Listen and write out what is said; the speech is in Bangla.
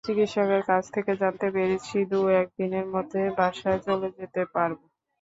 চিকিৎসকের কাছ থেকে জানতে পেরেছি, দু-এক দিনের মধ্যে বাসায় চলে যেতে পারব।